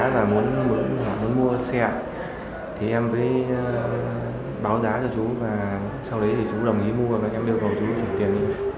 và muốn mua xe em báo giá cho chú sau đấy chú đồng ý mua và em đưa vào chú tiền